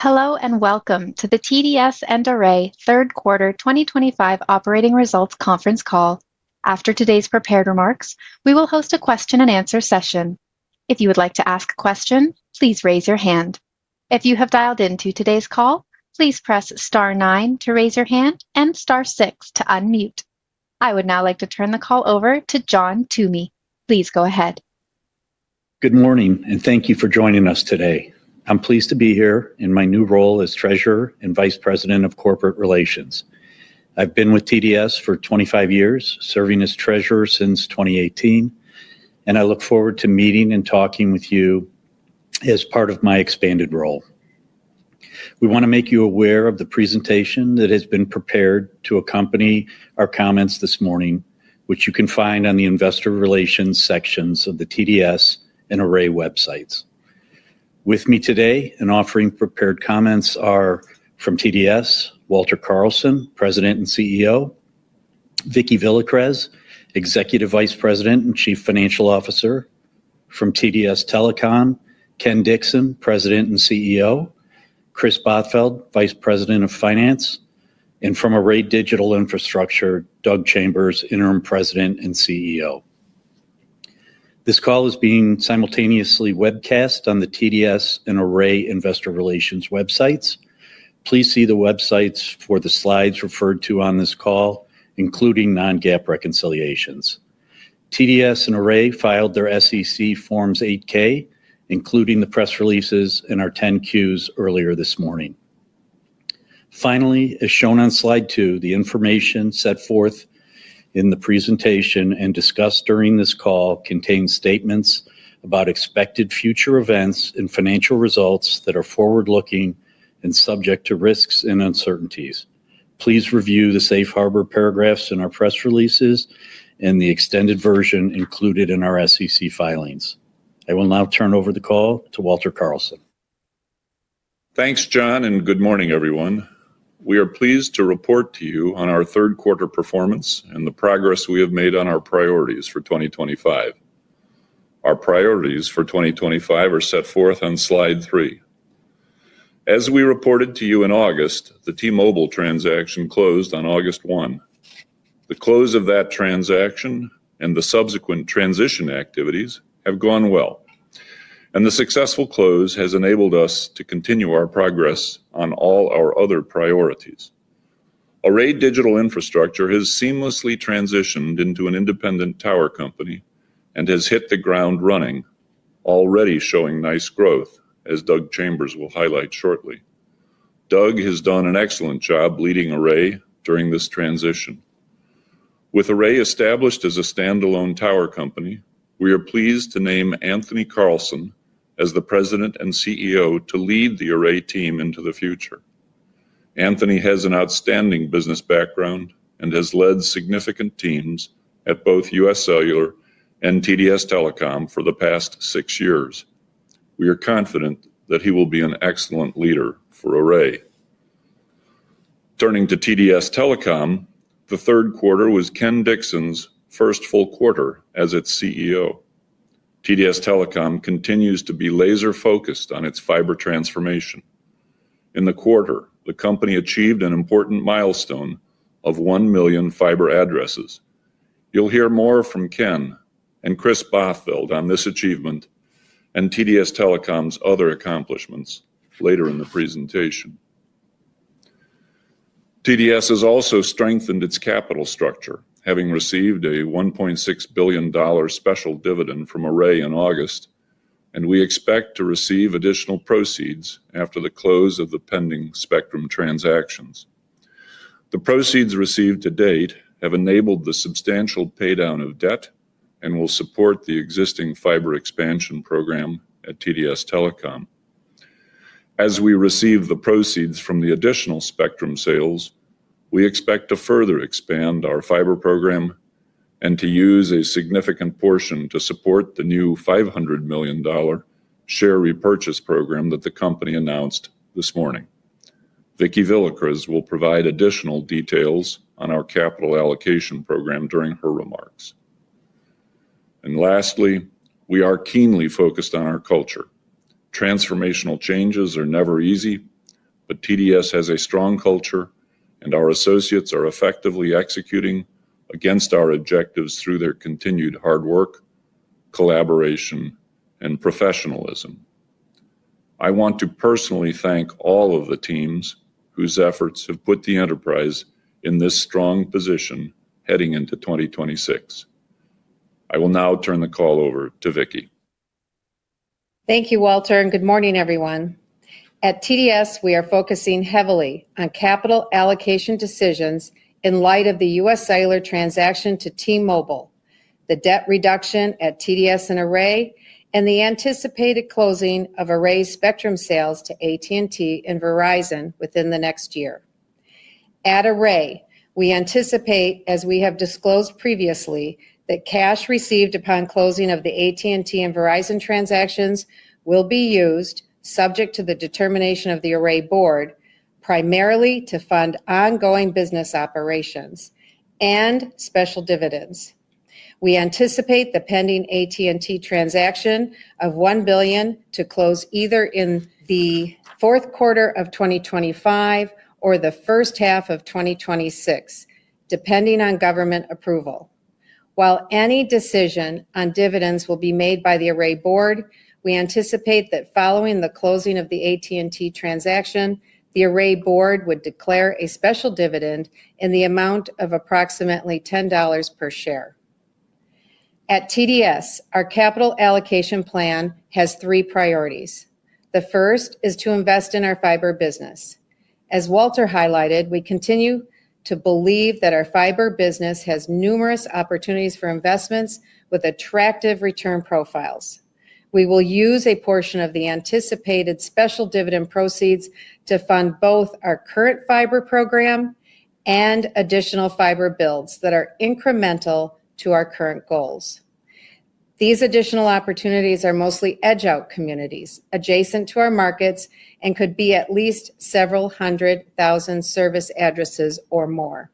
Hello and welcome to the TDS and Array Third Quarter 2025 Operating Results Conference call. After today's prepared remarks, we will host a question-and-answer session. If you would like to ask a question, please raise your hand. If you have dialed into today's call, please press star nine to raise your hand and star six to unmute. I would now like to turn the call over to John Toomey. Please go ahead. Good morning, and thank you for joining us today. I'm pleased to be here in my new role as Treasurer and Vice President of Corporate Relations. I've been with TDS for 25 years, serving as Treasurer since 2018, and I look forward to meeting and talking with you as part of my expanded role. We want to make you aware of the presentation that has been prepared to accompany our comments this morning, which you can find on the Investor Relations sections of the TDS and Array websites. With me today and offering prepared comments are from TDS, Walter Carlson, President and CEO, Vicki Villacrez, Executive Vice President and Chief Financial Officer, from TDS Telecom, Ken Dixon, President and CEO, Kris Bothfeld, Vice President of Finance, and from Array Digital Infrastructure, Doug Chambers, Interim President and CEO. This call is being simultaneously webcast on the TDS and Array Investor Relations websites. Please see the websites for the slides referred to on this call, including non-GAAP reconciliations. TDS and Array filed their SEC Forms 8-K, including the press releases and our Form 10-Qs earlier this morning. Finally, as shown on slide 2, the information set forth in the presentation and discussed during this call contains statements about expected future events and financial results that are forward-looking and subject to risks and uncertainties. Please review the safe harbor paragraphs in our press releases and the extended version included in our SEC filings. I will now turn over the call to Walter Carlson. Thanks, John, and good morning, everyone. We are pleased to report to you on our third-quarter performance and the progress we have made on our priorities for 2025. Our priorities for 2025 are set forth on slide 3. As we reported to you in August, the T-Mobile transaction closed on August 1. The close of that transaction and the subsequent transition activities have gone well, and the successful close has enabled us to continue our progress on all our other priorities. Array Digital Infrastructure has seamlessly transitioned into an independent tower company and has hit the ground running, already showing nice growth, as Doug Chambers will highlight shortly. Doug has done an excellent job leading Array during this transition. With Array established as a standalone tower company, we are pleased to name Anthony Carlson as the President and CEO to lead the Array team into the future. Anthony has an outstanding business background and has led significant teams at both U.S. Cellular and TDS Telecom for the past six years. We are confident that he will be an excellent leader for Array. Turning to TDS Telecom, the third quarter was Ken Dixon's first full quarter as its CEO. TDS Telecom continues to be laser-focused on its fiber transformation. In the quarter, the company achieved an important milestone of 1 million fiber addresses. You'll hear more from Ken and Kris Bothfeld on this achievement and TDS Telecom's other accomplishments later in the presentation. TDS has also strengthened its capital structure, having received a $1.6 billion special dividend from Array in August, and we expect to receive additional proceeds after the close of the pending spectrum transactions. The proceeds received to date have enabled the substantial paydown of debt and will support the existing fiber expansion program at TDS Telecom. As we receive the proceeds from the additional spectrum sales, we expect to further expand our fiber program and to use a significant portion to support the new $500 million share repurchase program that the company announced this morning. Vicki Villacrez will provide additional details on our capital allocation program during her remarks. And lastly, we are keenly focused on our culture. Transformational changes are never easy, but TDS has a strong culture, and our associates are effectively executing against our objectives through their continued hard work, collaboration, and professionalism. I want to personally thank all of the teams whose efforts have put the enterprise in this strong position heading into 2026. I will now turn the call over to Vicki. Thank you, Walter, and good morning, everyone. At TDS, we are focusing heavily on capital allocation decisions in light of the U.S. Cellular transaction to T-Mobile, the debt reduction at TDS and Array, and the anticipated closing of Array spectrum sales to AT&T and Verizon within the next year. At Array, we anticipate, as we have disclosed previously, that cash received upon closing of the AT&T and Verizon transactions will be used, subject to the determination of the Array board, primarily to fund ongoing business operations and special dividends. We anticipate the pending AT&T transaction of $1 billion to close either in the fourth quarter of 2025 or the first half of 2026, depending on government approval. While any decision on dividends will be made by the Array board, we anticipate that following the closing of the AT&T transaction, the Array board would declare a special dividend in the amount of approximately $10 per share. At TDS, our capital allocation plan has three priorities. The first is to invest in our fiber business. As Walter highlighted, we continue to believe that our fiber business has numerous opportunities for investments with attractive return profiles. We will use a portion of the anticipated special dividend proceeds to fund both our current fiber program and additional fiber builds that are incremental to our current goals. These additional opportunities are mostly edge-out communities adjacent to our markets and could be at least several hundred thousand service addresses or more.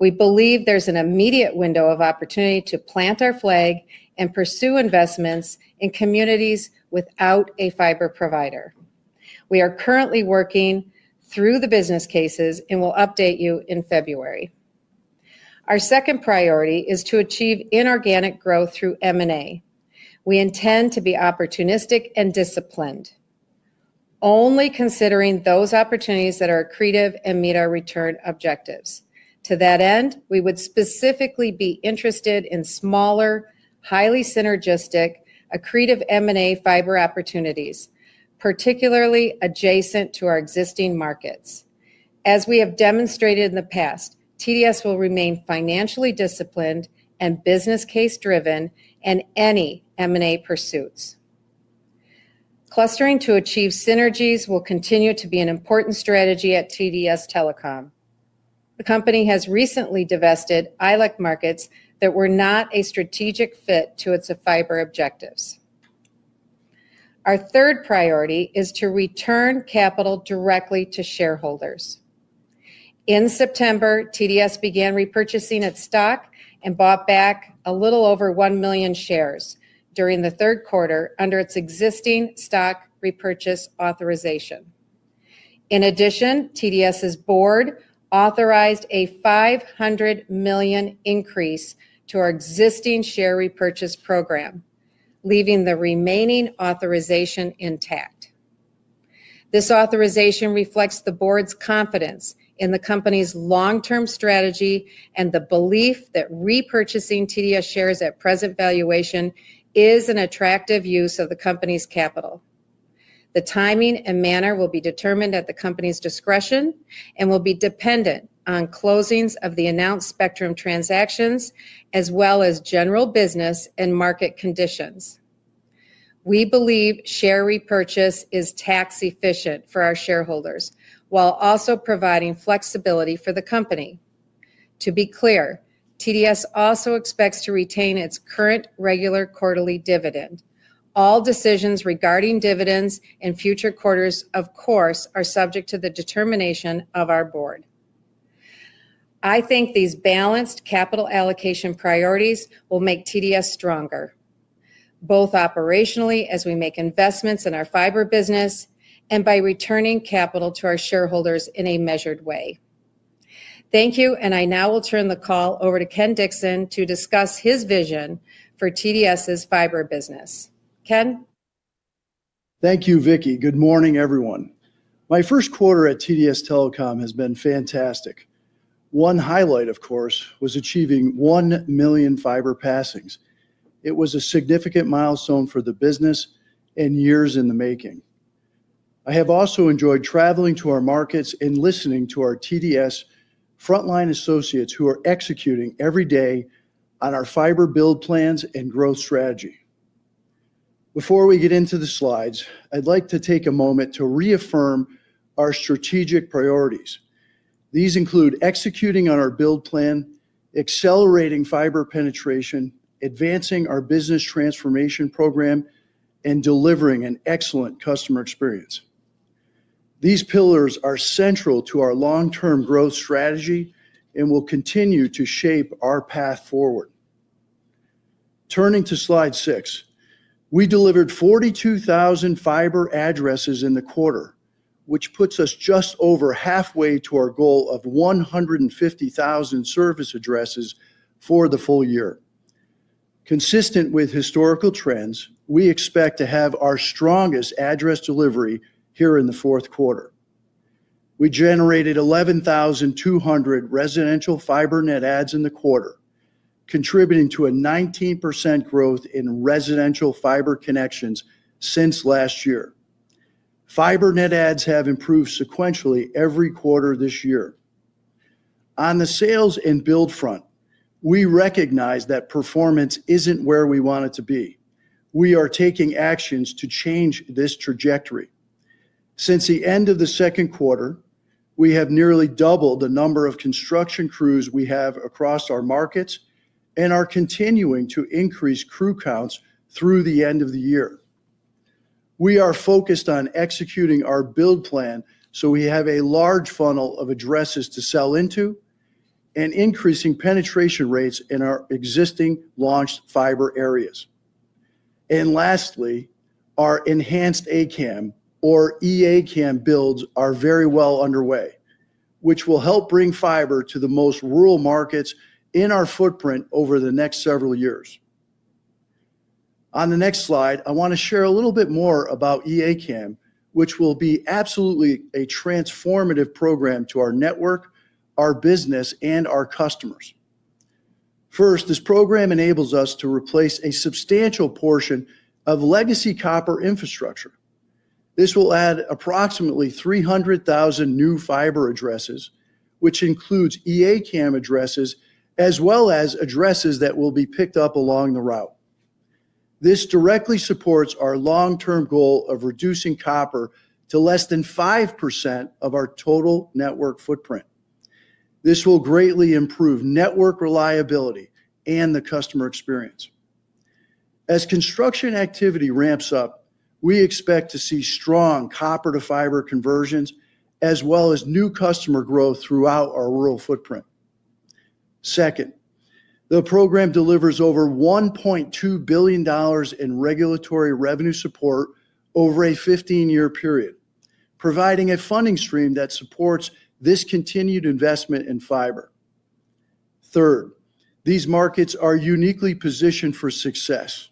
We believe there's an immediate window of opportunity to plant our flag and pursue investments in communities without a fiber provider. We are currently working through the business cases and will update you in February. Our second priority is to achieve inorganic growth through M&A. We intend to be opportunistic and disciplined, only considering those opportunities that are accretive and meet our return objectives. To that end, we would specifically be interested in smaller, highly synergistic, accretive M&A fiber opportunities, particularly adjacent to our existing markets. As we have demonstrated in the past, TDS will remain financially disciplined and business-case-driven in any M&A pursuits. Clustering to achieve synergies will continue to be an important strategy at TDS Telecom. The company has recently divested ILEC markets that were not a strategic fit to its fiber objectives. Our third priority is to return capital directly to shareholders. In September, TDS began repurchasing its stock and bought back a little over 1 million shares during the third quarter under its existing stock repurchase authorization. In addition, TDS's board authorized a $500 million increase to our existing share repurchase program, leaving the remaining authorization intact. This authorization reflects the board's confidence in the company's long-term strategy and the belief that repurchasing TDS shares at present valuation is an attractive use of the company's capital. The timing and manner will be determined at the company's discretion and will be dependent on closings of the announced spectrum transactions as well as general business and market conditions. We believe share repurchase is tax-efficient for our shareholders while also providing flexibility for the company. To be clear, TDS also expects to retain its current regular quarterly dividend. All decisions regarding dividends in future quarters, of course, are subject to the determination of our board. I think these balanced capital allocation priorities will make TDS stronger, both operationally as we make investments in our fiber business and by returning capital to our shareholders in a measured way. Thank you, and I now will turn the call over to Ken Dixon to discuss his vision for TDS's fiber business. Ken. Thank you, Vicki. Good morning, everyone. My first quarter at TDS Telecom has been fantastic. One highlight, of course, was achieving 1 million fiber passings. It was a significant milestone for the business and years in the making. I have also enjoyed traveling to our markets and listening to our TDS frontline associates who are executing every day on our fiber build plans and growth strategy. Before we get into the slides, I'd like to take a moment to reaffirm our strategic priorities. These include executing on our build plan, accelerating fiber penetration, advancing our business transformation program, and delivering an excellent customer experience. These pillars are central to our long-term growth strategy and will continue to shape our path forward. Turning to slide 6, we delivered 42,000 fiber addresses in the quarter, which puts us just over halfway to our goal of 150,000 service addresses for the full year. Consistent with historical trends, we expect to have our strongest address delivery here in the fourth quarter. We generated 11,200 residential fiber net adds in the quarter, contributing to a 19% growth in residential fiber connections since last year. Fiber net adds have improved sequentially every quarter this year. On the sales and build front, we recognize that performance is not where we want it to be. We are taking actions to change this trajectory. Since the end of the second quarter, we have nearly doubled the number of construction crews we have across our markets and are continuing to increase crew counts through the end of the year. We are focused on executing our build plan so we have a large funnel of addresses to sell into and increasing penetration rates in our existing launched fiber areas. Lastly, our enhanced ACAM, or E-ACAM builds, are very well underway, which will help bring fiber to the most rural markets in our footprint over the next several years. On the next slide, I want to share a little bit more about E-ACAM, which will be absolutely a transformative program to our network, our business, and our customers. First, this program enables us to replace a substantial portion of legacy copper infrastructure. This will add approximately 300,000 new fiber addresses, which includes E-ACAM addresses as well as addresses that will be picked up along the route. This directly supports our long-term goal of reducing copper to less than 5% of our total network footprint. This will greatly improve network reliability and the customer experience. As construction activity ramps up, we expect to see strong copper-to-fiber conversions as well as new customer growth throughout our rural footprint. Second, the program delivers over $1.2 billion in regulatory revenue support over a 15-year period, providing a funding stream that supports this continued investment in fiber. Third, these markets are uniquely positioned for success.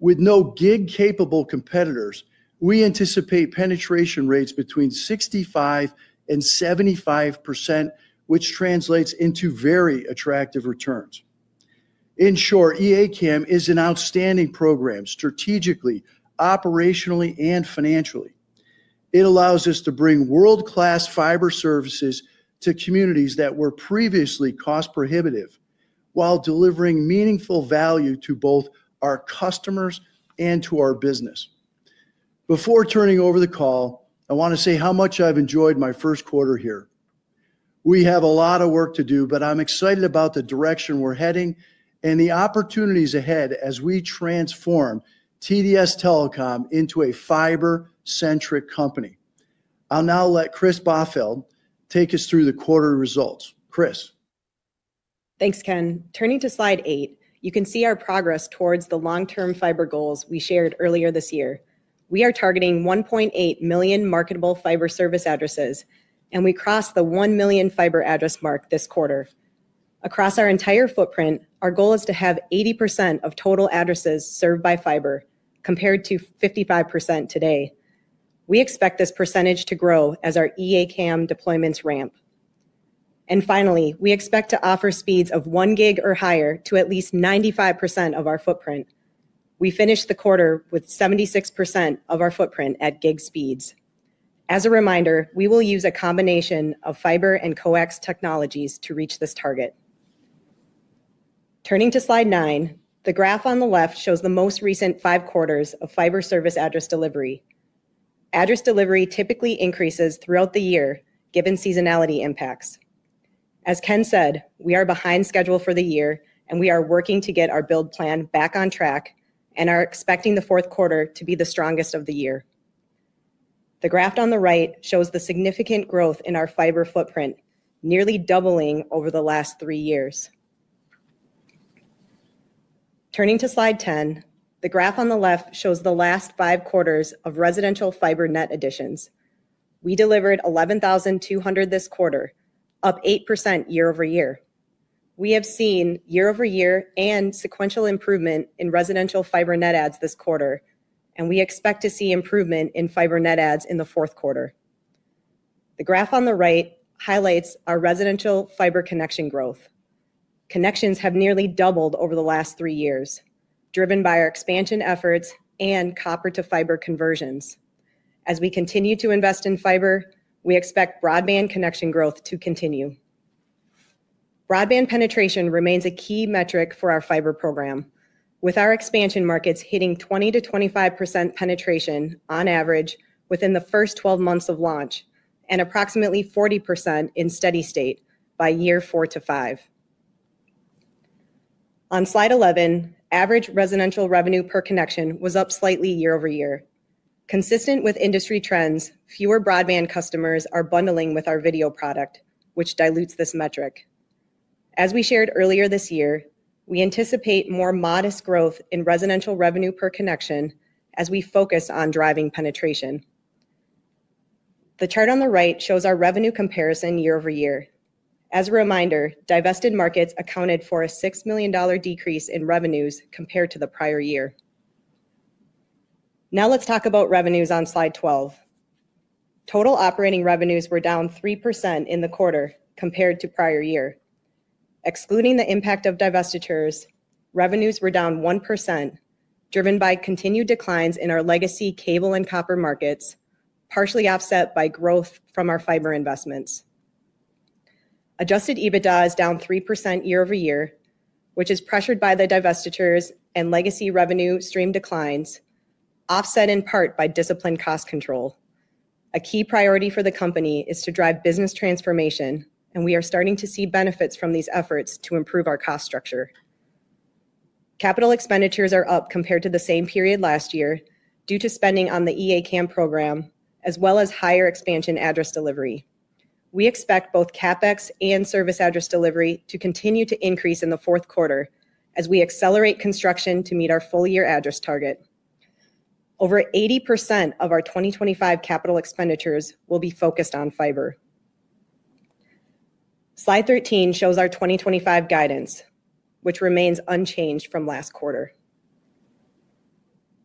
With no gig-capable competitors, we anticipate penetration rates between 65% and 75%, which translates into very attractive returns. In short, E-ACAM is an outstanding program strategically, operationally, and financially. It allows us to bring world-class fiber services to communities that were previously cost-prohibitive while delivering meaningful value to both our customers and to our business. Before turning over the call, I want to say how much I've enjoyed my first quarter here. We have a lot of work to do, but I'm excited about the direction we're heading and the opportunities ahead as we transform TDS Telecom into a fiber-centric company. I'll now let Kris Bothfeld take us through the quarter results. Kris. Thanks, Ken. Turning to slide 8, you can see our progress towards the long-term fiber goals we shared earlier this year. We are targeting 1.8 million marketable fiber service addresses, and we crossed the 1 million fiber address mark this quarter. Across our entire footprint, our goal is to have 80% of total addresses served by fiber, compared to 55% today. We expect this percentage to grow as our E-ACAM deployments ramp. And finally, we expect to offer speeds of 1 gig or higher to at least 95% of our footprint. We finished the quarter with 76% of our footprint at gig speeds. As a reminder, we will use a combination of fiber and coax technologies to reach this target. Turning to slide 9, the graph on the left shows the most recent five quarters of fiber service address delivery. Address delivery typically increases throughout the year, given seasonality impacts. As Ken said, we are behind schedule for the year, and we are working to get our build plan back on track and are expecting the fourth quarter to be the strongest of the year. The graph on the right shows the significant growth in our fiber footprint, nearly doubling over the last three years. Turning to slide 10, the graph on the left shows the last five quarters of residential fiber net additions. We delivered 11,200 this quarter, up 8% year-over-year. We have seen year-over-year and sequential improvement in residential fiber net adds this quarter, and we expect to see improvement in fiber net adds in the fourth quarter. The graph on the right highlights our residential fiber connection growth. Connections have nearly doubled over the last three years, driven by our expansion efforts and copper-to-fiber conversions. As we continue to invest in fiber, we expect broadband connection growth to continue. Broadband penetration remains a key metric for our fiber program, with our expansion markets hitting 20%-25% penetration on average within the first 12 months of launch and approximately 40% in steady state by year 4-5. On slide 11, average residential revenue per connection was up slightly year-over-year. Consistent with industry trends, fewer broadband customers are bundling with our video product, which dilutes this metric. As we shared earlier this year, we anticipate more modest growth in residential revenue per connection as we focus on driving penetration. The chart on the right shows our revenue comparison year-over-year. As a reminder, divested markets accounted for a $6 million decrease in revenues compared to the prior year. Now let's talk about revenues on slide 12. Total operating revenues were down 3% in the quarter compared to prior year. Excluding the impact of divestitures, revenues were down 1%, driven by continued declines in our legacy cable and copper markets, partially offset by growth from our fiber investments. Adjusted EBITDA is down 3% year-over-year, which is pressured by the divestitures and legacy revenue stream declines, offset in part by disciplined cost control. A key priority for the company is to drive business transformation, and we are starting to see benefits from these efforts to improve our cost structure. Capital expenditures are up compared to the same period last year due to spending on the E-ACAM program, as well as higher expansion address delivery. We expect both CapEx and service address delivery to continue to increase in the fourth quarter as we accelerate construction to meet our full-year address target. Over 80% of our 2025 capital expenditures will be focused on fiber. Slide 13 shows our 2025 guidance, which remains unchanged from last quarter.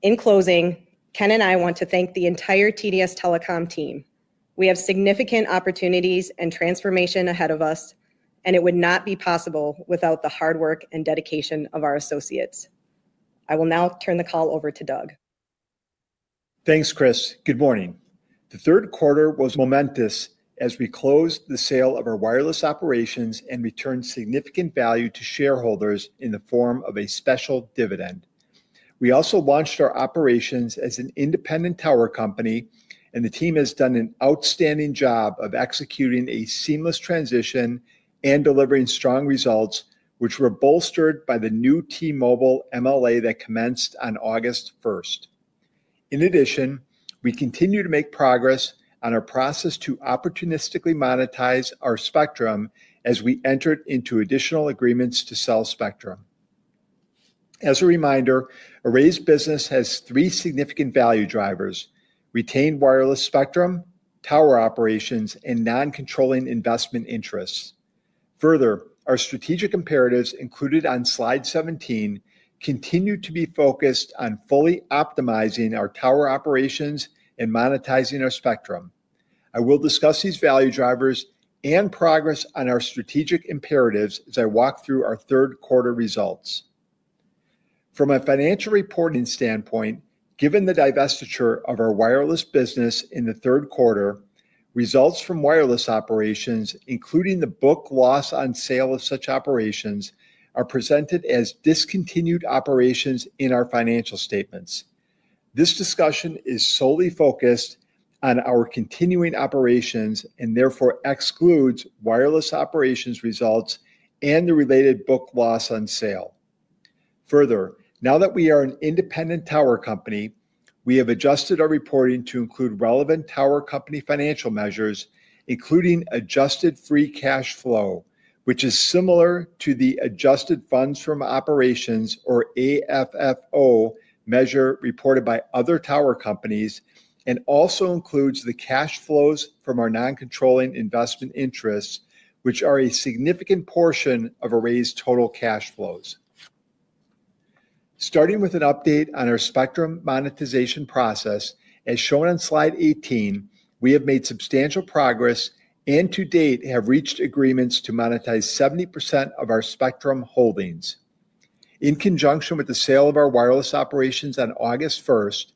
In closing, Ken and I want to thank the entire TDS Telecom team. We have significant opportunities and transformation ahead of us, and it would not be possible without the hard work and dedication of our associates. I will now turn the call over to Doug. Thanks, Kris. Good morning. The third quarter was momentous as we closed the sale of our wireless operations and returned significant value to shareholders in the form of a special dividend. We also launched our operations as an independent tower company, and the team has done an outstanding job of executing a seamless transition and delivering strong results, which were bolstered by the new T-Mobile MLA that commenced on August 1st. In addition, we continue to make progress on our process to opportunistically monetize our spectrum as we entered into additional agreements to sell spectrum. As a reminder, Array's business has three significant value drivers: retained wireless spectrum, tower operations, and non-controlling investment interests. Further, our strategic imperatives included on slide 17 continue to be focused on fully optimizing our tower operations and monetizing our spectrum. I will discuss these value drivers and progress on our strategic imperatives as I walk through our third quarter results. From a financial reporting standpoint, given the divestiture of our wireless business in the third quarter, results from wireless operations, including the book loss on sale of such operations, are presented as discontinued operations in our financial statements. This discussion is solely focused on our continuing operations and therefore excludes wireless operations results and the related book loss on sale. Further, now that we are an independent tower company, we have adjusted our reporting to include relevant tower company financial measures, including adjusted free cash flow, which is similar to the adjusted funds from operations, or AFFO, measure reported by other tower companies, and also includes the cash flows from our non-controlling investment interests, which are a significant portion of Array's total cash flows. Starting with an update on our spectrum monetization process, as shown on slide 18, we have made substantial progress and to date have reached agreements to monetize 70% of our spectrum holdings. In conjunction with the sale of our wireless operations on August 1st,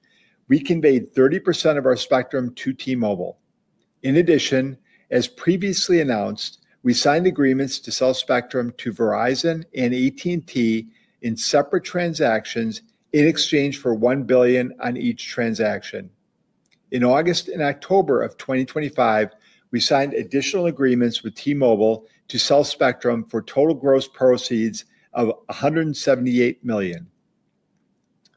we conveyed 30% of our spectrum to T-Mobile. In addition, as previously announced, we signed agreements to sell spectrum to Verizon and AT&T in separate transactions in exchange for $1 billion on each transaction. In August and October of 2025, we signed additional agreements with T-Mobile to sell spectrum for total gross proceeds of $178 million.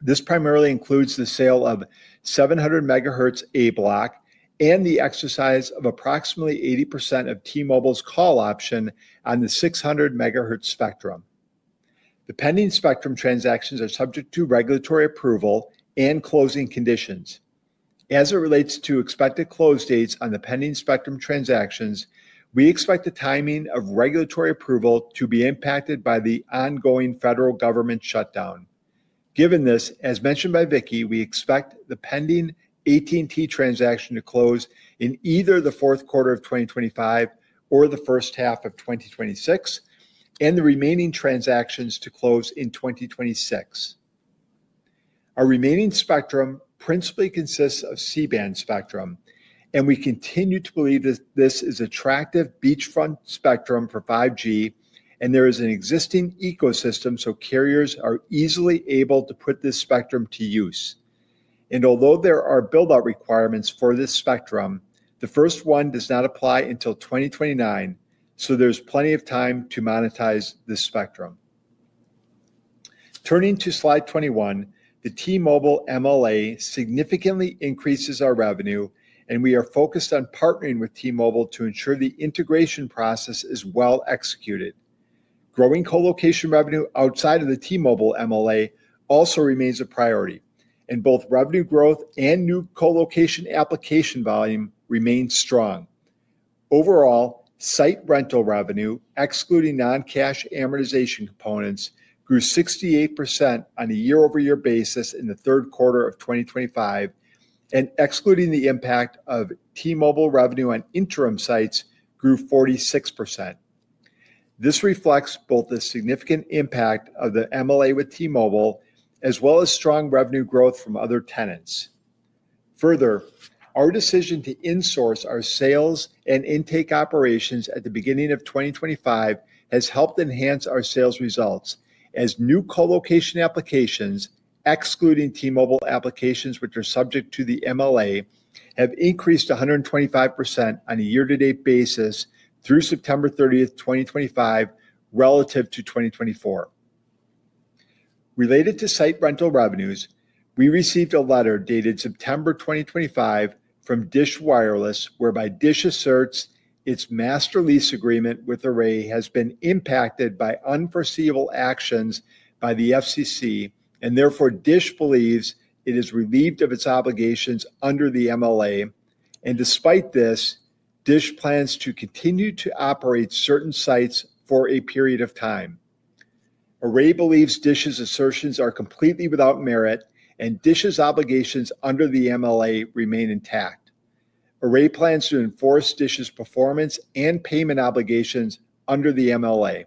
This primarily includes the sale of 700 MHz A-Block and the exercise of approximately 80% of T-Mobile's call option on the 600 MHz spectrum. The pending spectrum transactions are subject to regulatory approval and closing conditions. As it relates to expected close dates on the pending spectrum transactions, we expect the timing of regulatory approval to be impacted by the ongoing federal government shutdown. Given this, as mentioned by Vicki, we expect the pending AT&T transaction to close in either the fourth quarter of 2025 or the first half of 2026, and the remaining transactions to close in 2026. Our remaining spectrum principally consists of C-band spectrum, and we continue to believe that this is attractive beachfront spectrum for 5G, and there is an existing ecosystem so carriers are easily able to put this spectrum to use. Although there are build-out requirements for this spectrum, the first one does not apply until 2029, so there's plenty of time to monetize this spectrum. Turning to slide 21, the T-Mobile MLA significantly increases our revenue, and we are focused on partnering with T-Mobile to ensure the integration process is well executed. Growing colocation revenue outside of the T-Mobile MLA also remains a priority, and both revenue growth and new colocation application volume remain strong. Overall, site rental revenue, excluding non-cash amortization components, grew 68% on a year-over-year basis in the third quarter of 2025, and excluding the impact of T-Mobile revenue on interim sites, grew 46%. This reflects both the significant impact of the MLA with T-Mobile as well as strong revenue growth from other tenants. Further, our decision to insource our sales and intake operations at the beginning of 2025 has helped enhance our sales results, as new colocation applications, excluding T-Mobile applications which are subject to the MLA, have increased 125% on a year-to-date basis through September 30th, 2025, relative to 2024. Related to site rental revenues, we received a letter dated September 2025 from DISH Wireless, whereby DISH asserts its master lease agreement with Array has been impacted by unforeseeable actions by the FCC, and therefore DISH believes it is relieved of its obligations under the MLA. Despite this, DISH plans to continue to operate certain sites for a period of time. Array believes DISH's assertions are completely without merit, and DISH's obligations under the MLA remain intact. Array plans to enforce DISH's performance and payment obligations under the MLA.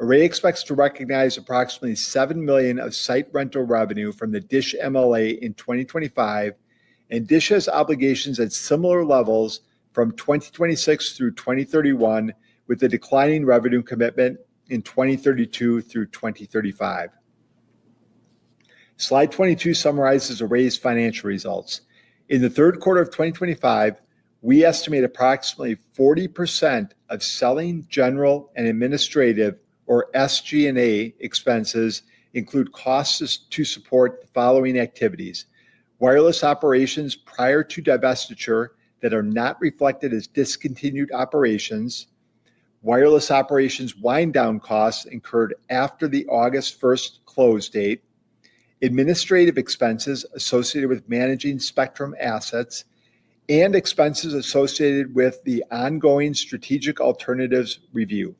Array expects to recognize approximately $7 million of site rental revenue from the DISH MLA in 2025, and DISH has obligations at similar levels from 2026 through 2031, with a declining revenue commitment in 2032 through 2035. Slide 22 summarizes Array's financial results. In the third quarter of 2025, we estimate approximately 40% of selling, general and administrative, or SG&A, expenses include costs to support the following activities: wireless operations prior to divestiture that are not reflected as discontinued operations, wireless operations wind-down costs incurred after the August 1st close date, administrative expenses associated with managing spectrum assets, and expenses associated with the ongoing strategic alternatives review.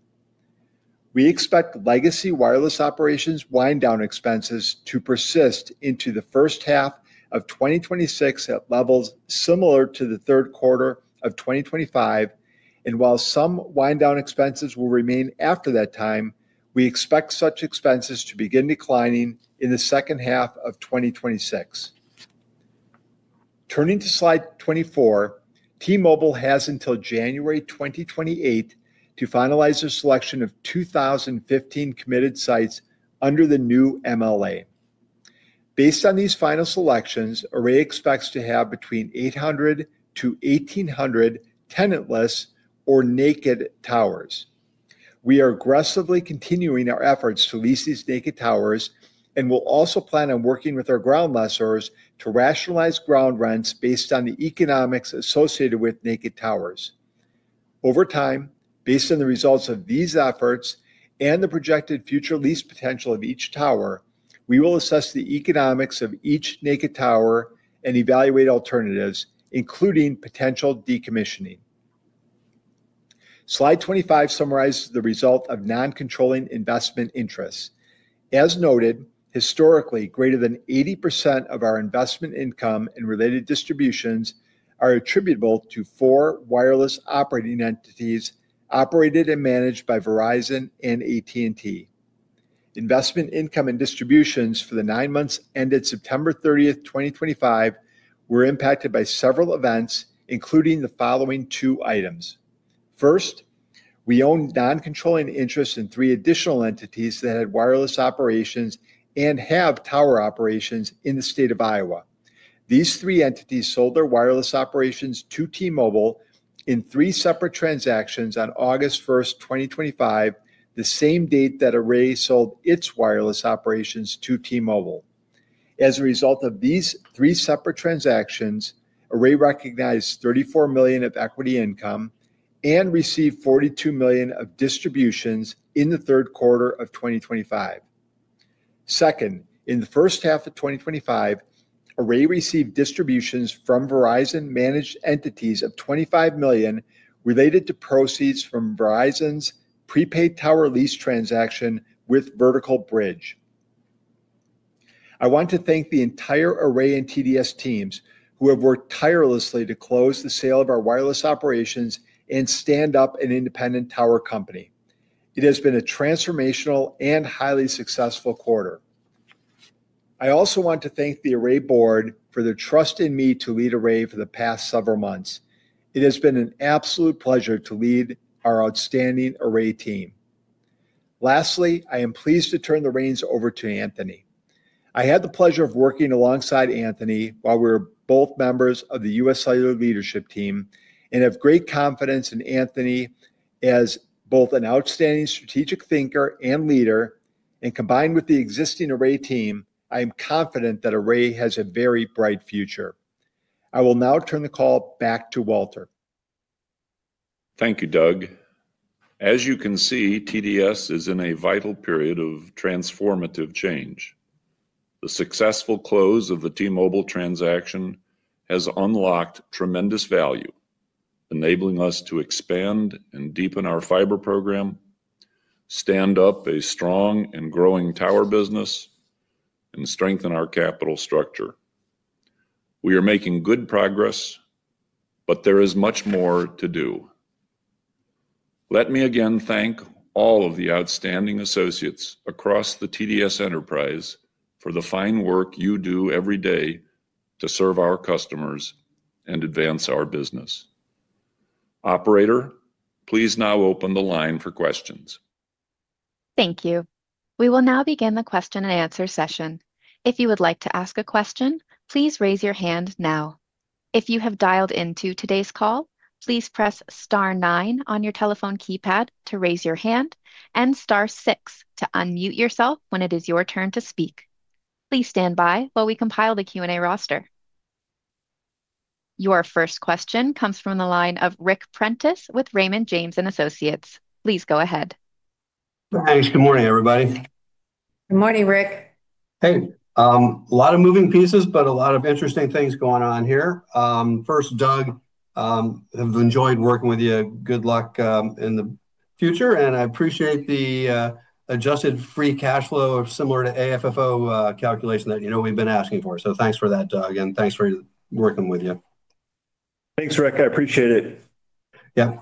We expect legacy wireless operations wind-down expenses to persist into the first half of 2026 at levels similar to the third quarter of 2025, and while some wind-down expenses will remain after that time, we expect such expenses to begin declining in the second half of 2026. Turning to slide 24, T-Mobile has until January 2028 to finalize their selection of 2,015 committed sites under the new MLA. Based on these final selections, Array expects to have between 800-1,800 tenantless or naked towers. We are aggressively continuing our efforts to lease these naked towers, and we will also plan on working with our ground lessors to rationalize ground rents based on the economics associated with naked towers. Over time, based on the results of these efforts and the projected future lease potential of each tower, we will assess the economics of each naked tower and evaluate alternatives, including potential decommissioning. Slide 25 summarizes the result of non-controlling investment interests. As noted, historically, greater than 80% of our investment income and related distributions are attributable to four wireless operating entities operated and managed by Verizon and AT&T. Investment income and distributions for the nine months ended September 30th, 2025, were impacted by several events, including the following two items. First, we owned non-controlling interests in three additional entities that had wireless operations and have tower operations in the state of Iowa. These three entities sold their wireless operations to T-Mobile in three separate transactions on August 1, 2025, the same date that Array sold its wireless operations to T-Mobile. As a result of these three separate transactions, Array recognized $34 million of equity income and received $42 million of distributions in the third quarter of 2025. Second, in the first half of 2025, Array received distributions from Verizon-managed entities of $25 million related to proceeds from Verizon's prepaid tower lease transaction with Vertical Bridge. I want to thank the entire Array and TDS teams who have worked tirelessly to close the sale of our wireless operations and stand up an independent tower company. It has been a transformational and highly successful quarter. I also want to thank the Array board for their trust in me to lead Array for the past several months. It has been an absolute pleasure to lead our outstanding Array team. Lastly, I am pleased to turn the reins over to Anthony. I had the pleasure of working alongside Anthony while we were both members of the USIO leadership team and have great confidence in Anthony as both an outstanding strategic thinker and leader. Combined with the existing Array team, I am confident that Array has a very bright future. I will now turn the call back to Walter. Thank you, Doug. As you can see, TDS is in a vital period of transformative change. The successful close of the T-Mobile transaction has unlocked tremendous value, enabling us to expand and deepen our fiber program, stand up a strong and growing tower business, and strengthen our capital structure. We are making good progress, but there is much more to do. Let me again thank all of the outstanding associates across the TDS enterprise for the fine work you do every day to serve our customers and advance our business. Operator, please now open the line for questions. Thank you. We will now begin the question-and-answer session. If you would like to ask a question, please raise your hand now. If you have dialed into today's call, please press star nine on your telephone keypad to raise your hand and star six to unmute yourself when it is your turn to speak. Please stand by while we compile the Q&A roster. Your first question comes from the line of Ric Prentiss with Raymond James & Associates. Please go ahead. Thanks. Good morning, everybody. Good morning, Ric. Hey. A lot of moving pieces, but a lot of interesting things going on here. First, Doug, I have enjoyed working with you. Good luck in the future. I appreciate the adjusted free cash flow similar to AFFO calculation that we have been asking for. Thanks for that, Doug, and thanks for working with you. Thanks, Ric. I appreciate it. Yeah.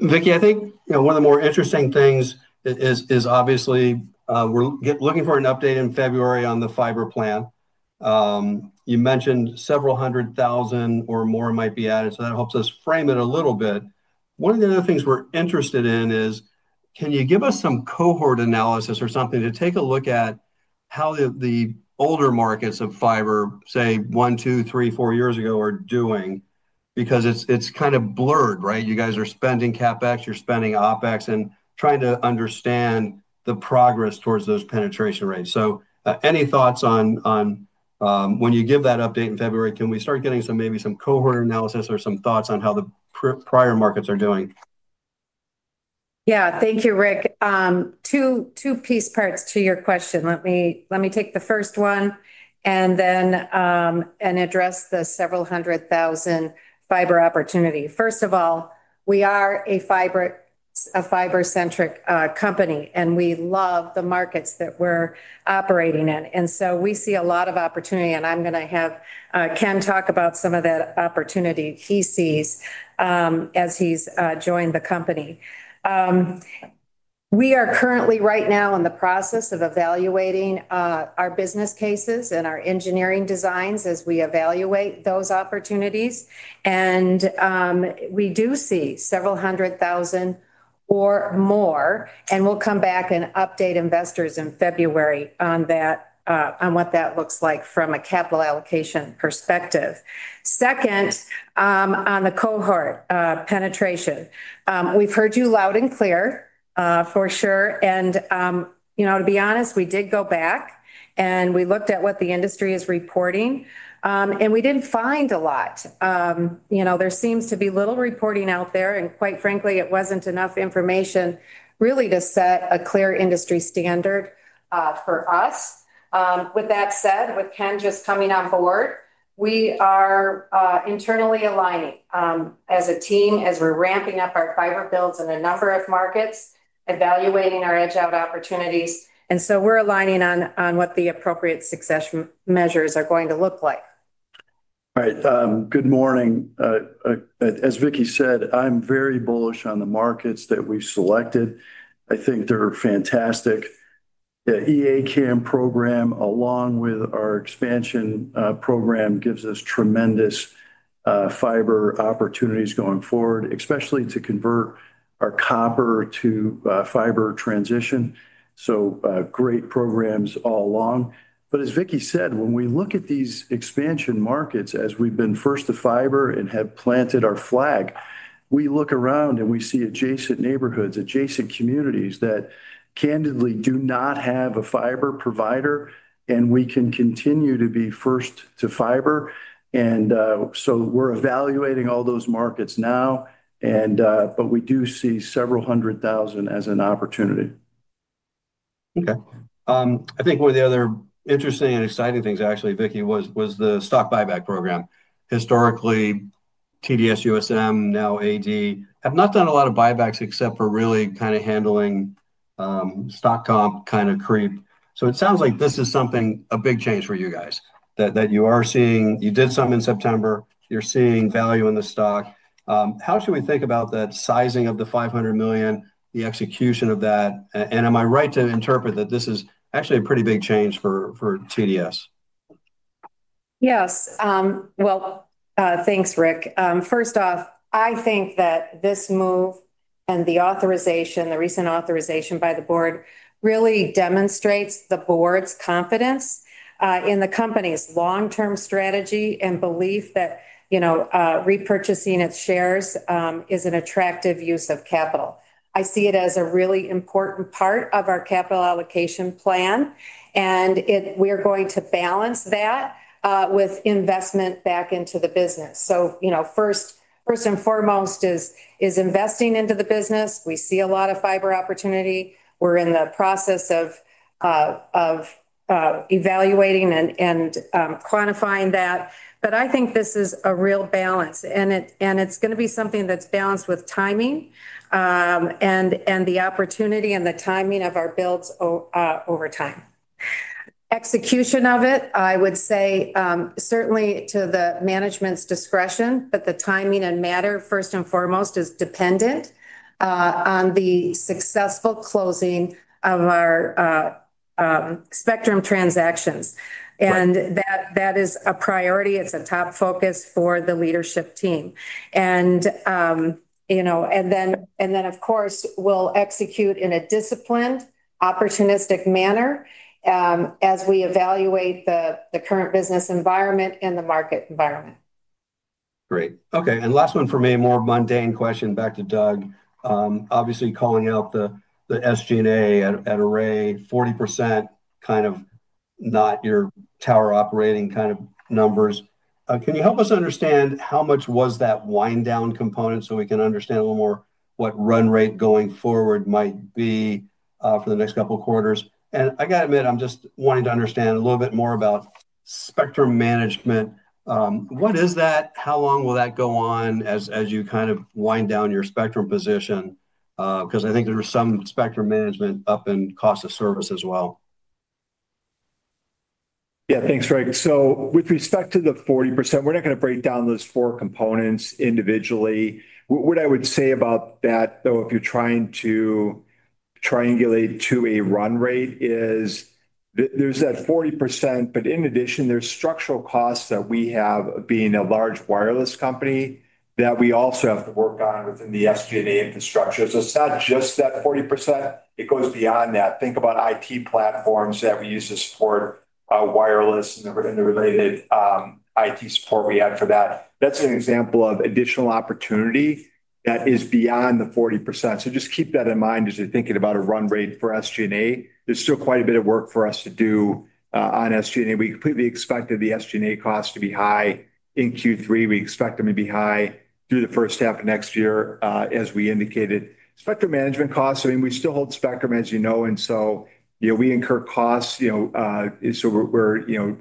Vicki, I think one of the more interesting things is obviously we're looking for an update in February on the fiber plan. You mentioned several hundred thousand or more might be added, so that helps us frame it a little bit. One of the other things we're interested in is, can you give us some cohort analysis or something to take a look at how the older markets of fiber, say, one, two, three, four years ago, are doing? Because it's kind of blurred, right? You guys are spending CapEx, you're spending OpEx, and trying to understand the progress towards those penetration rates. So any thoughts on when you give that update in February, can we start getting maybe some cohort analysis or some thoughts on how the prior markets are doing? Yeah. Thank you, Ric. Two-piece parts to your question. Let me take the first one and address the several hundred thousand fiber opportunity. First of all, we are a fiber-centric company, and we love the markets that we are operating in. So we see a lot of opportunity, and I am going to have Ken talk about some of that opportunity he sees as he has joined the company. We are currently, right now, in the process of evaluating our business cases and our engineering designs as we evaluate those opportunities. We do see several hundred thousand or more, and we will come back and update investors in February on what that looks like from a capital allocation perspective. Second, on the cohort penetration, we have heard you loud and clear, for sure. To be honest, we did go back and we looked at what the industry is reporting, and we did not find a lot. You know there seems to be little reporting out there, and quite frankly, it was not enough information really to set a clear industry standard for us. With that said, with Ken just coming on board, we are internally aligning as a team as we are ramping up our fiber builds in a number of markets, evaluating our edge-out opportunities. So we are aligning on what the appropriate success measures are going to look like. All right. Good morning. As Vicki said, I'm very bullish on the markets that we selected. I think they're fantastic. The E-ACAM program, along with our expansion program, gives us tremendous fiber opportunities going forward, especially to convert our copper to fiber transition. Great programs all along. As Vicki said, when we look at these expansion markets as we've been first to fiber and have planted our flag, we look around and we see adjacent neighborhoods, adjacent communities that candidly do not have a fiber provider, and we can continue to be first to fiber. And so we're evaluating all those markets now, but we do see several hundred thousand as an opportunity. Okay. I think one of the other interesting and exciting things, actually, Vicki, was the stock buyback program. Historically, TDS, USM, now AD, have not done a lot of buybacks except for really kind of handling stock comp kind of creep. It sounds like this is something, a big change for you guys, that you are seeing. You did something in September. You are seeing value in the stock. How should we think about that sizing of the $500 million, the execution of that? Am I right to interpret that this is actually a pretty big change for TDS? Yes. Thanks, Ric. First off, I think that this move and the recent authorization by the board really demonstrates the board's confidence in the company's long-term strategy and belief that repurchasing its shares is an attractive use of capital. I see it as a really important part of our capital allocation plan, and we are going to balance that with investment back into the business. So first and foremost is investing into the business. We see a lot of fiber opportunity. We're in the process of evaluating and quantifying that. But I think this is a real balance, and it's going to be something that's balanced with timing and the opportunity and the timing of our builds over time. Execution of it, I would say, certainly to the management's discretion, but the timing and matter, first and foremost, is dependent on the successful closing of our spectrum transactions. That is a priority. It's a top focus for the leadership team. Of course, we'll execute in a disciplined, opportunistic manner as we evaluate the current business environment and the market environment. Great. Okay. Last one for me, more mundane question back to Doug. Obviously, calling out the SG&A at Array, 40% kind of not your tower operating kind of numbers. Can you help us understand how much was that wind-down component so we can understand a little more what run rate going forward might be for the next couple of quarters? I got to admit, I'm just wanting to understand a little bit more about spectrum management. What is that? How long will that go on as you kind of wind down your spectrum position? I think there's some spectrum management up in cost of service as well. Yeah. Thanks, Ric. So with respect to the 40%, we're not going to break down those four components individually. What I would say about that, though, if you're trying to triangulate to a run rate, is there's that 40%, but in addition, there are structural costs that we have being a large wireless company that we also have to work on within the SG&A infrastructure. It's not just that 40%. It goes beyond that. Think about IT platforms that we use to support wireless and the related IT support we have for that. That's an example of additional opportunity that is beyond the 40%. Just keep that in mind as you're thinking about a run rate for SG&A. There's still quite a bit of work for us to do on SG&A. We completely expected the SG&A costs to be high in Q3. We expect them to be high through the first half of next year, as we indicated. Spectrum management costs, I mean, we still hold spectrum, as you know, and so we incur costs. We are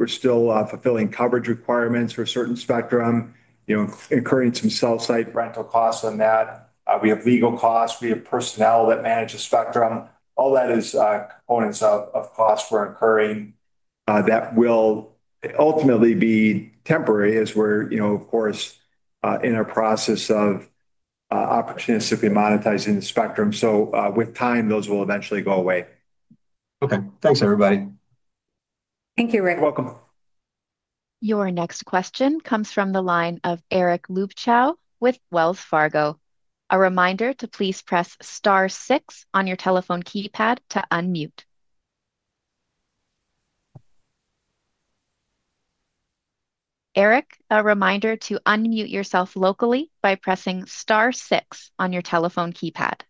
still fulfilling coverage requirements for a certain spectrum, incurring some sell-site rental costs on that. We have legal costs. We have personnel that manage the spectrum. All that is components of costs we are incurring that will ultimately be temporary as we are, of course, in a process of opportunistically monetizing the spectrum. With time, those will eventually go away. Okay. Thanks, everybody. Thank you, Ric. You're welcome. Your next question comes from the line of Eric Luebchow with Wells Fargo. A reminder to please press star six on your telephone keypad to unmute. Eric, a reminder to unmute yourself locally by pressing star six on your telephone keypad.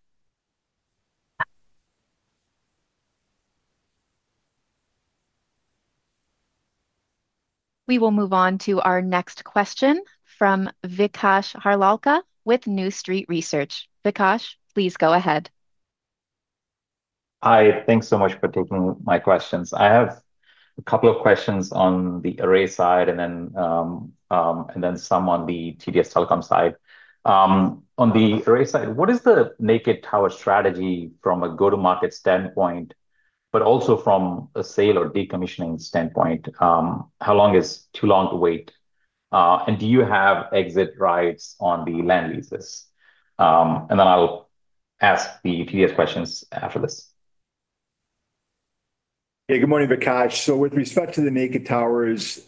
We will move on to our next question from Vikash Harlalka with New Street Research. Vikash, please go ahead. Hi. Thanks so much for taking my questions. I have a couple of questions on the Array side and then some on the TDS Telecom side. On the Array side, what is the naked tower strategy from a go-to-market standpoint, but also from a sale or decommissioning standpoint? How long is too long to wait? Do you have exit rights on the land leases? I will ask the TDS questions after this. Yeah. Good morning, Vikash. With respect to the naked towers,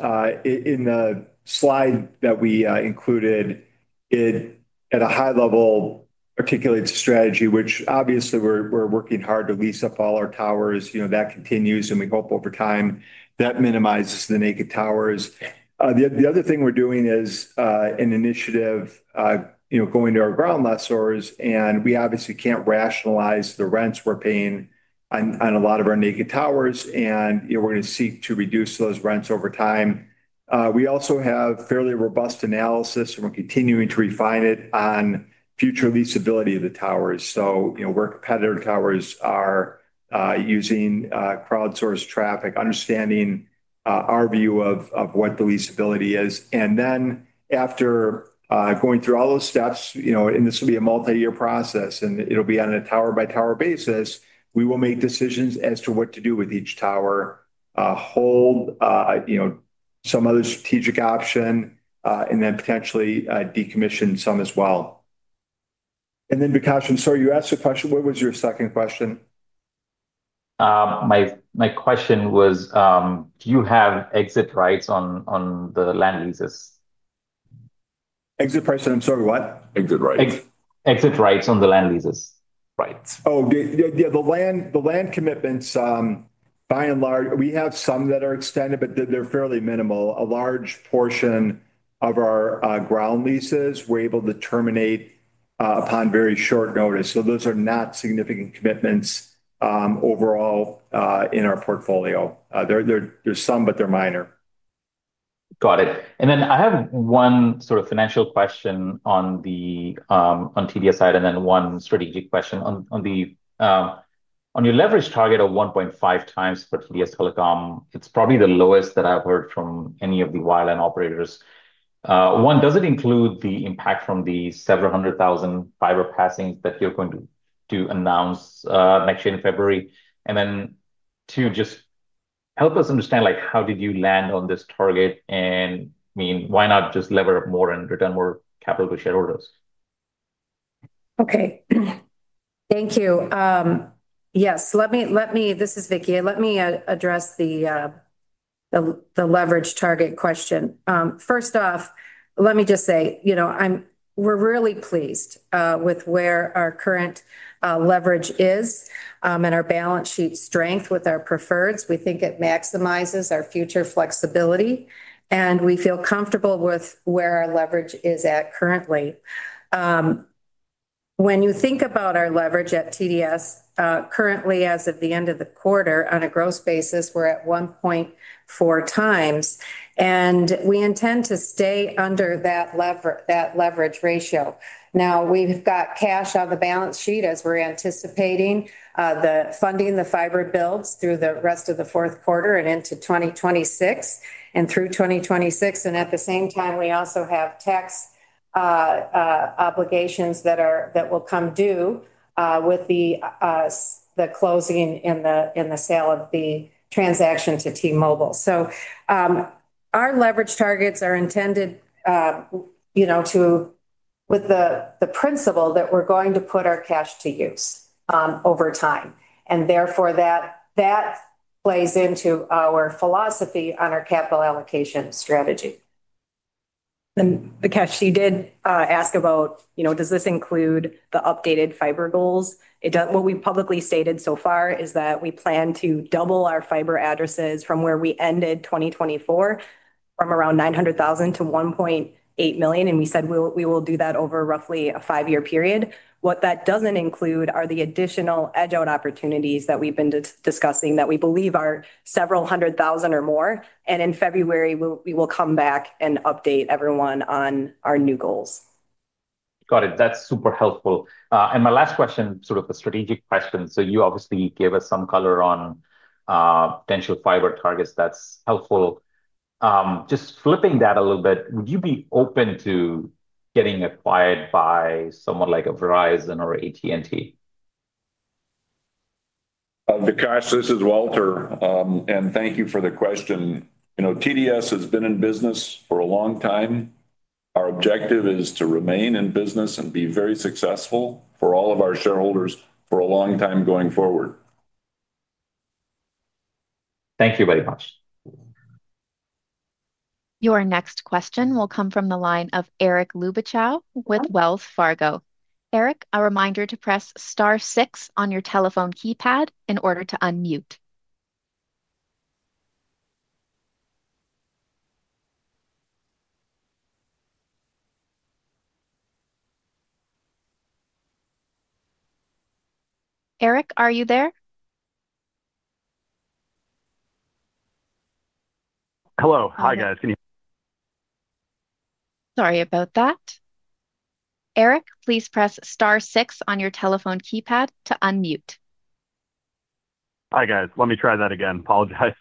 in the slide that we included, it at a high level articulates a strategy, which obviously we're working hard to lease up all our towers. That continues, and we hope over time that minimizes the naked towers. The other thing we're doing is an initiative going to our ground lessors, and we obviously can't rationalize the rents we're paying on a lot of our naked towers, and we're going to seek to reduce those rents over time. We also have fairly robust analysis, and we're continuing to refine it on future leasability of the towers. So where competitor towers are using crowdsourced traffic, understanding our view of what the leasability is. And then after going through all those steps, and this will be a multi-year process, and it'll be on a tower-by-tower basis, we will make decisions as to what to do with each tower, hold some other strategic option, and then potentially decommission some as well. And then Vikash, I'm sorry, you asked a question. What was your second question? My question was, do you have exit rights on the land leases? Exit rights on—I'm sorry, what? Exit rights. Exit rights on the land leases. Right. Oh, yeah. The land commitments, by and large, we have some that are extended, but they're fairly minimal. A large portion of our ground leases, we're able to terminate upon very short notice. So those are not significant commitments overall in our portfolio. There's some, but they're minor. Got it. I have one sort of financial question on the TDS side and then one strategic question. On your leverage target of 1.5x for TDS Telecom, it's probably the lowest that I've heard from any of the wireline operators. One, does it include the impact from the several hundred thousand fiber passings that you're going to announce next year in February? Two, just help us understand how did you land on this target? I mean, why not just lever up more and return more capital to shareholders? Okay. Thank you. Yes. This is Vicki. Let me address the leverage target question. First off, let me just say we're really pleased with where our current leverage is and our balance sheet strength with our preferreds. We think it maximizes our future flexibility, and we feel comfortable with where our leverage is at currently. When you think about our leverage at TDS, currently, as of the end of the quarter, on a gross basis, we're at 1.4x, and we intend to stay under that leverage ratio. Now, we've got cash on the balance sheet as we're anticipating the funding, the fiber builds through the rest of the fourth quarter and into 2026 and through 2026. At the same time, we also have tax obligations that will come due with the closing and the sale of the transaction to T-Mobile. So our leverage targets are intended with the principle that we're going to put our cash to use over time. And therefore, that plays into our philosophy on our capital allocation strategy. Vikash, she did ask about, does this include the updated fiber goals? What we publicly stated so far is that we plan to double our fiber addresses from where we ended 2024, from around 900,000 to 1.8 million. We said we will do that over roughly a five-year period. What that does not include are the additional edge-out opportunities that we have been discussing that we believe are several hundred thousand or more. In February, we will come back and update everyone on our new goals. Got it. That is super helpful. And my last question, sort of a strategic question. You obviously gave us some color on potential fiber targets. That is helpful. Just flipping that a little bit, would you be open to getting acquired by someone like Verizon or AT&T? Vikash, this is Walter. And thank you for the question. TDS has been in business for a long time. Our objective is to remain in business and be very successful for all of our shareholders for a long time going forward. Thank you very much. Your next question will come from the line of Eric Luebchow with Wells Fargo. Eric, a reminder to press star six on your telephone keypad in order to unmute. Eric, are you there? Hello. Hi, guys. Can you hear me? Sorry about that. Eric, please press star six on your telephone keypad to unmute. Hi, guys. Let me try that again. Apologize.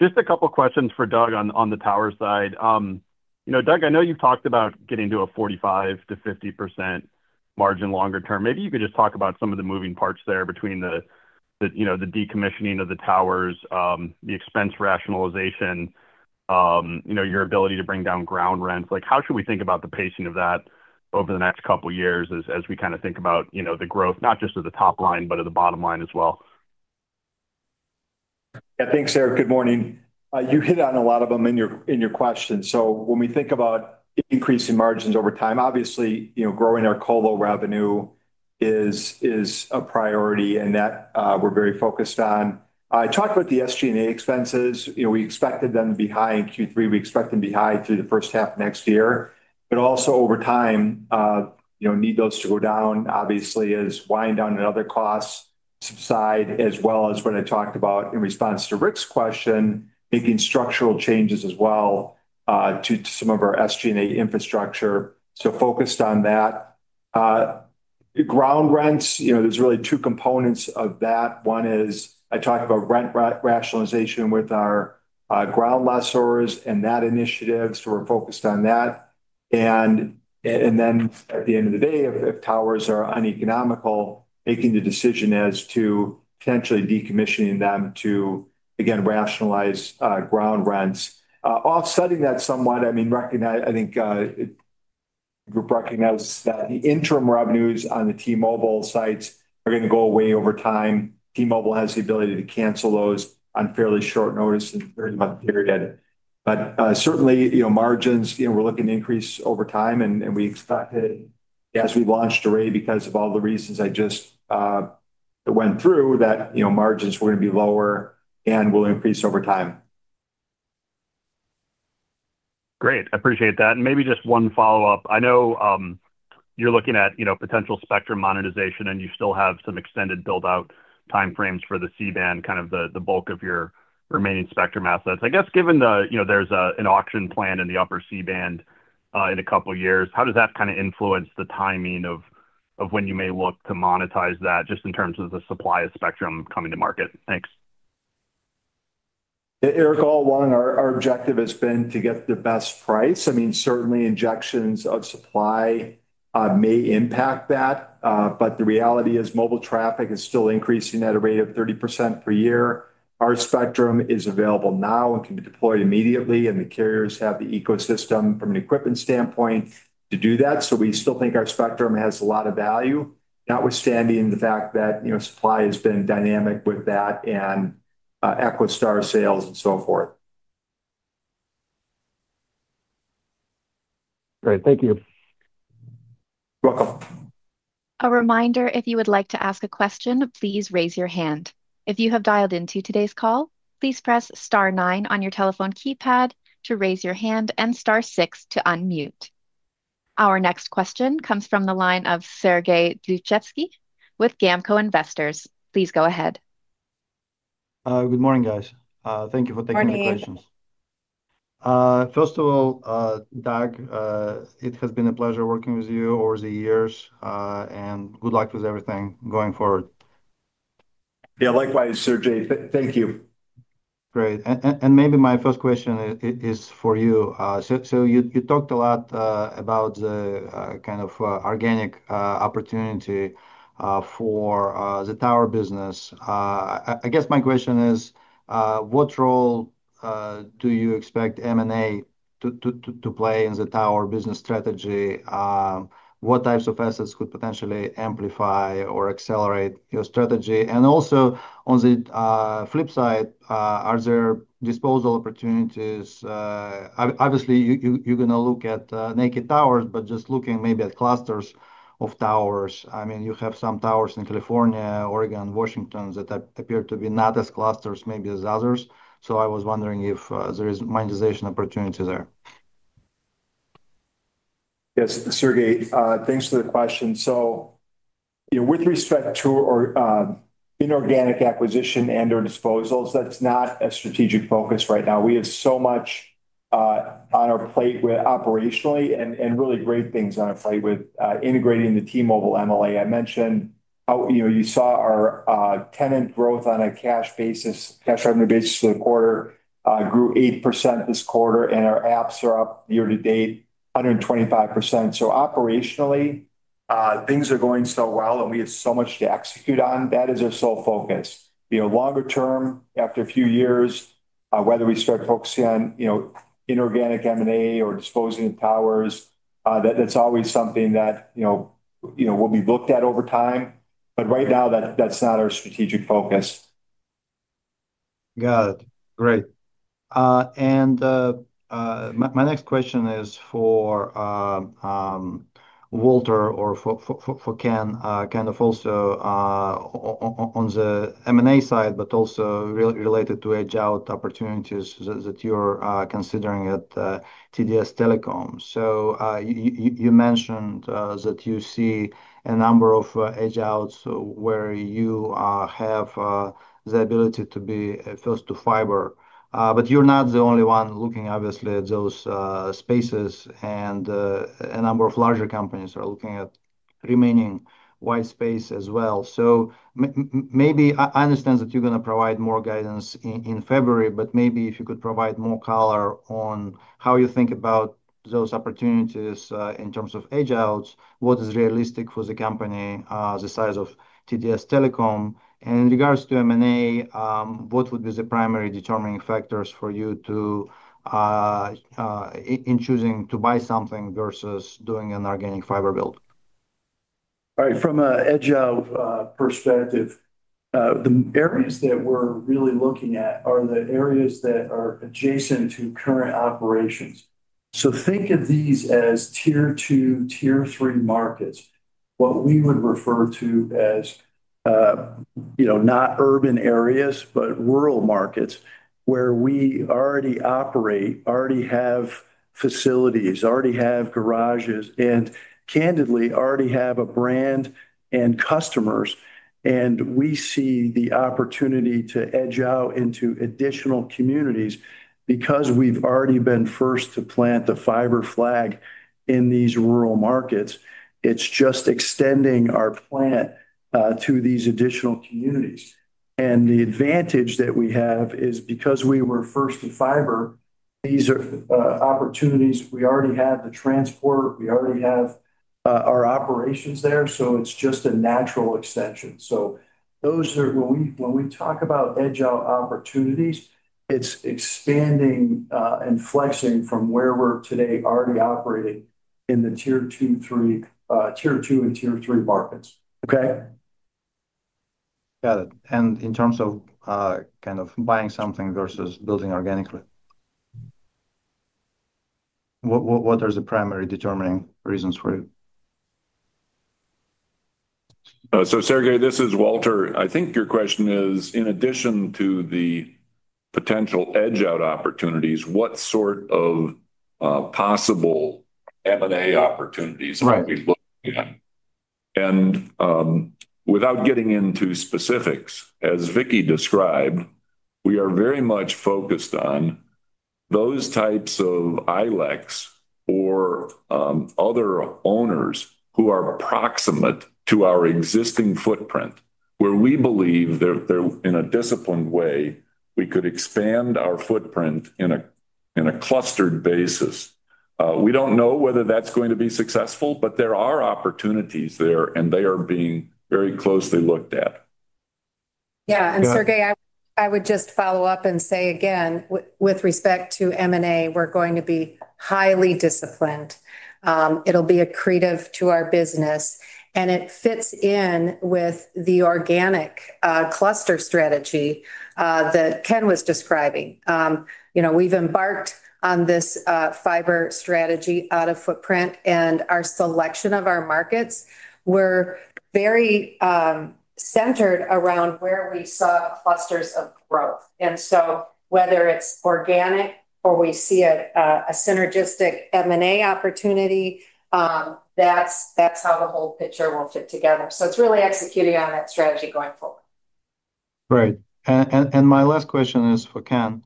Just a couple of questions for Doug on the tower side. Doug, I know you've talked about getting to a 45%-50% margin longer term. Maybe you could just talk about some of the moving parts there between the decommissioning of the towers, the expense rationalization, your ability to bring down ground rents. How should we think about the pacing of that over the next couple of years as we kind of think about the growth, not just at the top line, but at the bottom line as well? Yeah. Thanks, Eric. Good morning. You hit on a lot of them in your question. When we think about increasing margins over time, obviously, growing our colo revenue is a priority, and that we're very focused on. I talked about the SG&A expenses. We expected them to be high in Q3. We expect them to be high through the first half of next year. And also over time, need those to go down, obviously, as wind down and other costs subside, as well as what I talked about in response to Ric's question, making structural changes as well to some of our SG&A infrastructure. So focused on that. Ground rents, there's really two components of that. One is I talked about rent rationalization with our ground lessors and that initiative. We're focused on that. At the end of the day, if towers are uneconomical, making the decision as to potentially decommissioning them to, again, rationalize ground rents. Offsetting that somewhat, I mean, I think the group recognizes that the interim revenues on the T-Mobile sites are going to go away over time. T-Mobile has the ability to cancel those on fairly short notice in a three-month period. But certainly, margins, we're looking to increase over time, and we expect that as we launched Array, because of all the reasons I just went through, that margins were going to be lower and will increase over time. Great. I appreciate that. Maybe just one follow-up. I know you're looking at potential spectrum monetization, and you still have some extended build-out timeframes for the C-band, kind of the bulk of your remaining spectrum assets. I guess given there's an auction plan in the upper C-band in a couple of years, how does that kind of influence the timing of when you may look to monetize that just in terms of the supply of spectrum coming to market? Thanks. Eric, all along, our objective has been to get the best price. I mean, certainly, injections of supply may impact that, but the reality is mobile traffic is still increasing at a rate of 30% per year. Our spectrum is available now and can be deployed immediately, and the carriers have the ecosystem from an equipment standpoint to do that. So we still think our spectrum has a lot of value, notwithstanding the fact that supply has been dynamic with that and EchoStar sales and so forth. Great. Thank you. You're welcome. A reminder, if you would like to ask a question, please raise your hand. If you have dialed into today's call, please press star nine on your telephone keypad to raise your hand and star six to unmute. Our next question comes from the line of Sergey Dluzhevskiy with GAMCO Investors. Please go ahead. Good morning, guys. Thank you for taking the questions. Morning. First of all, Doug, it has been a pleasure working with you over the years, and good luck with everything going forward. Yeah. Likewise, Sergey. Thank you. Great. Maybe my first question is for you. You talked a lot about the kind of organic opportunity for the tower business. I guess my question is, what role do you expect M&A to play in the tower business strategy? What types of assets could potentially amplify or accelerate your strategy? Also, on the flip side, are there disposal opportunities? Obviously, you're going to look at naked towers, but just looking maybe at clusters of towers. I mean, you have some towers in California, Oregon, Washington that appear to be not as clusters, maybe as others. I was wondering if there is monetization opportunity there. Yes, Sergey, thanks for the question. With respect to inorganic acquisition and/or disposals, that's not a strategic focus right now. We have so much on our plate operationally and really great things on our plate with integrating the T-Mobile MLA. I mentioned you saw our tenant growth on a cash revenue basis for the quarter grew 8% this quarter, and our apps are up year-to-date 125%. So operationally, things are going so well, and we have so much to execute on. That is our sole focus. Longer term, after a few years, whether we start focusing on inorganic M&A or disposing of towers, that's always something that will be looked at over time. Right now, that's not our strategic focus. Got it. Great. And my next question is for Walter or for Ken, kind of also on the M&A side, but also related to edge-out opportunities that you're considering at TDS Telecom. So you mentioned that you see a number of edge-outs where you have the ability to be first to fiber. You're not the only one looking, obviously, at those spaces, and a number of larger companies are looking at remaining white space as well. So maybe I understand that you're going to provide more guidance in February, but maybe if you could provide more color on how you think about those opportunities in terms of edge-outs, what is realistic for the company, the size of TDS Telecom? In regards to M&A, what would be the primary determining factors for you in choosing to buy something versus doing an organic fiber build? All right. From an edge-out perspective, the areas that we're really looking at are the areas that are adjacent to current operations. Think of these as Tier 2, Tier 3 markets, what we would refer to as not urban areas, but rural markets where we already operate, already have facilities, already have garages, and candidly, already have a brand and customers. And we see the opportunity to edge out into additional communities because we've already been first to plant the fiber flag in these rural markets. It's just extending our plant to these additional communities. The advantage that we have is because we were first to fiber, these are opportunities. We already have the transport. We already have our operations there. It's just a natural extension. So those are when we talk about edge-out opportunities, it's expanding and flexing from where we're today already operating in the Tier 2 and Tier 3 markets. Okay? Got it. In terms of kind of buying something versus building organically, what are the primary determining reasons for you? So Sergey, this is Walter. I think your question is, in addition to the potential edge-out opportunities, what sort of possible M&A opportunities are we looking at? And without getting into specifics, as Vicki described, we are very much focused on those types of ILECs or other owners who are proximate to our existing footprint, where we believe that in a disciplined way, we could expand our footprint in a clustered basis. We do not know whether that is going to be successful, but there are opportunities there, and they are being very closely looked at. Yeah. Sergey, I would just follow-up and say, again, with respect to M&A, we're going to be highly disciplined. It'll be accretive to our business. And it fits in with the organic cluster strategy that Ken was describing. You know we've embarked on this fiber strategy out of footprint, and our selection of our markets were very centered around where we saw clusters of growth. And so whether it's organic or we see a synergistic M&A opportunity, that's how the whole picture will fit together. So it's really executing on that strategy going forward. Great. My last question is for Ken.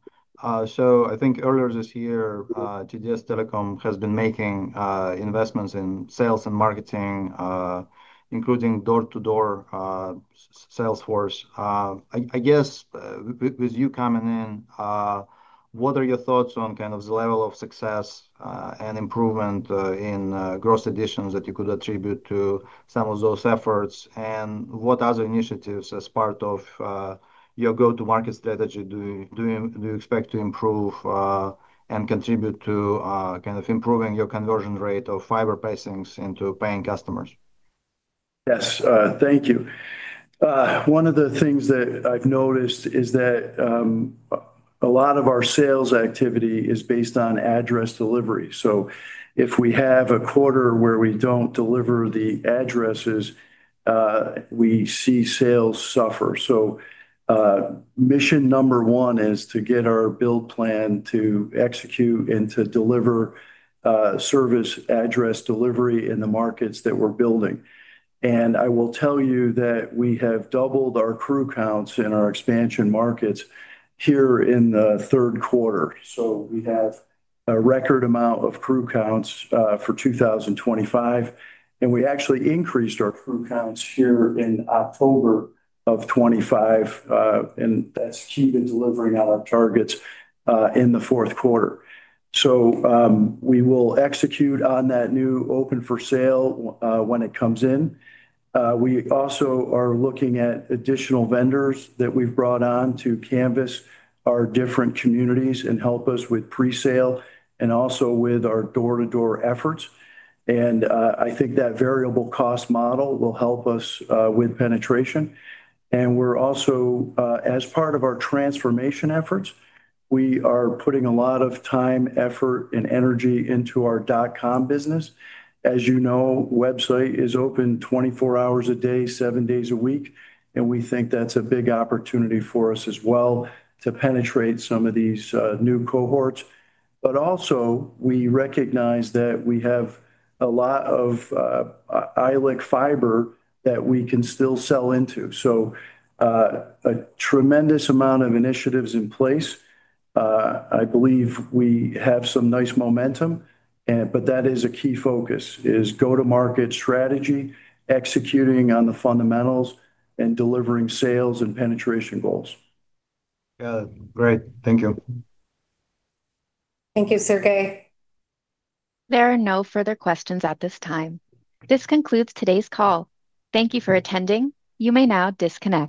So I think earlier this year, TDS Telecom has been making investments in sales and marketing, including door-to-door sales force. I guess with you coming in, what are your thoughts on kind of the level of success and improvement in gross additions that you could attribute to some of those efforts? And what other initiatives as part of your go-to-market strategy do you expect to improve and contribute to kind of improving your conversion rate of fiber passings into paying customers? Yes. Thank you. One of the things that I've noticed is that a lot of our sales activity is based on address delivery. So if we have a quarter where we do not deliver the addresses, we see sales suffer. So mission number one is to get our build plan to execute and to deliver service address delivery in the markets that we are building. And I will tell you that we have doubled our crew counts in our expansion markets here in the third quarter. So we have a record amount of crew counts for 2025. And we actually increased our crew counts here in October of 2025. That is key to delivering on our targets in the fourth quarter. So we will execute on that new open for sale when it comes in. We also are looking at additional vendors that we've brought on to canvas our different communities and help us with presale and also with our door-to-door efforts. And I think that variable cost model will help us with penetration. And we are also, as part of our transformation efforts, we are putting a lot of time, effort, and energy into our dot-com business. As you know, the website is open 24 hours a day, seven days a week. We think that's a big opportunity for us as well to penetrate some of these new cohorts. And also we recognize that we have a lot of ILEC fiber that we can still sell into. So a tremendous amount of initiatives are in place. I believe we have some nice momentum, but that is a key focus: go-to-market strategy, executing on the fundamentals, and delivering sales and penetration goals. Got it. Great. Thank you. Thank you, Sergey. There are no further questions at this time. This concludes today's call. Thank you for attending. You may now disconnect.